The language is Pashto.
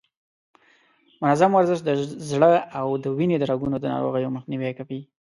منظم ورزش د زړه او د وینې د رګونو د ناروغیو مخنیوی کوي.